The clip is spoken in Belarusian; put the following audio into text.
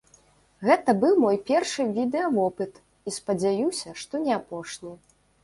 Гэта быў мой першы відэавопыт і спадзяюся, што не апошні.